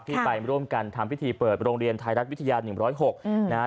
ไปร่วมกันทำพิธีเปิดโรงเรียนไทยรัฐวิทยา๑๐๖นะฮะ